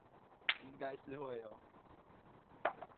應該是會呦